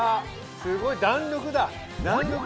すごい弾力だ。